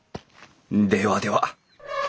ではでは。